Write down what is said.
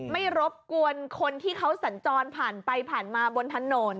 รบกวนคนที่เขาสัญจรผ่านไปผ่านมาบนถนน